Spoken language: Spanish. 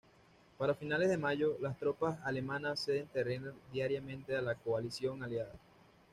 Para finales de mayo, las tropas alemanas ceden terreno diariamente a la coalición aliada.